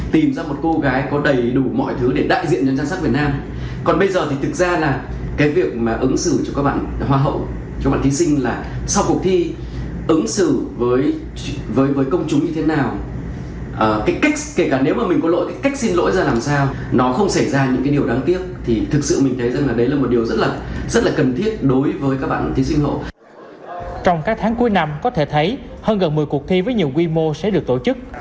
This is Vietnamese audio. trong các tháng cuối năm có thể thấy hơn gần một mươi cuộc thi với nhiều quy mô sẽ được tổ chức